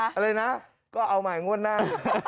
อะไรนะก็เอาใหม่งวดหน้า